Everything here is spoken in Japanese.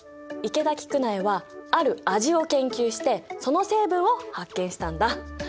池田菊苗はある味を研究してその成分を発見したんだ。